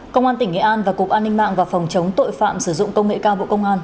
công an tỉnh nghệ an và cục an ninh mạng và phòng chống tội phạm sử dụng công nghệ cao bộ công an